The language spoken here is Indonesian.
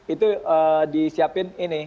itu disiapin ini